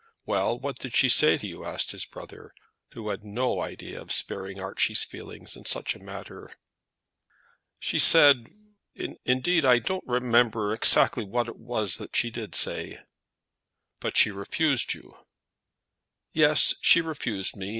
"Well, what did she say to you?" asked his brother, who had no idea of sparing Archie's feelings in such a matter. "She said; indeed I don't remember exactly what it was that she did say." "But she refused you?" "Yes; she refused me.